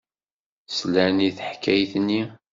Slan i teḥkayt-nni.